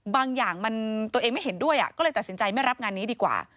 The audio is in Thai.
บางอย่างมันตัวเองไม่เห็นด้วยก็เลยตัดสินใจไม่รับงานนี้ดีกว่า